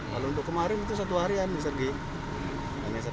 kalau untuk kemarin itu satu harian sergi